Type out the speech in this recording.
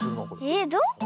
えっどこ？